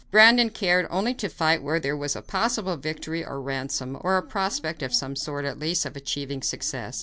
Brandon cared only to fight where there was a possible victory or ransom, or a prospect of some sort, at least, of achieving success.